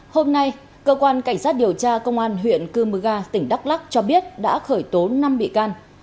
hôm nay cơ quan cảnh sát điều tra công an huyện cư mơ ga tỉnh đắk lắc cho biết đã khởi tố năm bị can